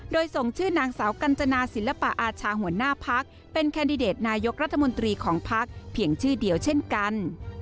โดยส่งชื่อนางสาวกัญจนาศิลปะอาชาหัวหน้าพักเป็นแคนดิเดตนายกรัฐมนตรีของพักเพียงชื่อเดียวเช่นกัน